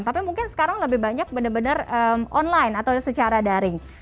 tapi mungkin sekarang lebih banyak benar benar online atau secara daring